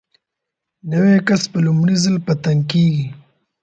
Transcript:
نوی کس په لومړي ځل په تنګ کېږي.